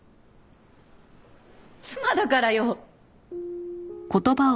妻だからよ。